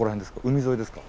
海沿いですか？